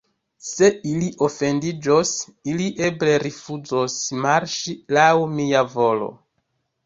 Se ili ofendiĝos, ili eble rifuzos marŝi laŭ mia volo.